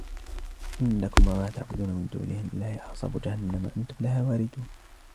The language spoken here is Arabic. إِنَّكُمْ وَمَا تَعْبُدُونَ مِنْ دُونِ اللَّهِ حَصَبُ جَهَنَّمَ أَنْتُمْ لَهَا وَارِدُونَ